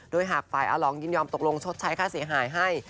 โดยหากฝ่ายอลองยินยอมตกลงชดใช้ค่าเสียหายให้